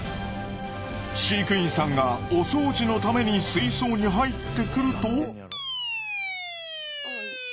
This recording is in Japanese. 飼育員さんがお掃除のために水槽に入ってくると。